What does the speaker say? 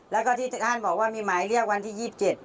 แล้วก็ที่ท่านบอกว่ามีหมายเรียกวันที่ยี่สิบเจ็ด